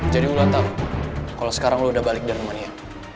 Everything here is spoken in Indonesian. jadi ulan tau kalau sekarang lo udah balik dengan mania